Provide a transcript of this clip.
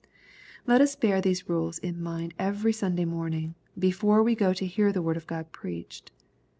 Let us beai these rules in mind every Sunday morning, before we go to hear the Word of God preached.